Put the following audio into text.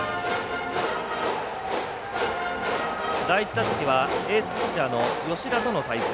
第１打席はエースピッチャーの吉田との対戦。